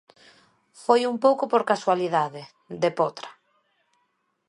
Foi un pouco por casualidade, 'de potra'.